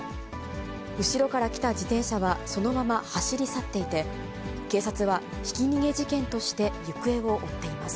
後ろから来た自転車は、そのまま走り去っていて、警察はひき逃げ事件として行方を追っています。